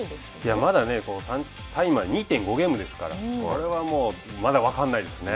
まだ３位まで２．５ゲームですからこれはもうまだ分からないですね。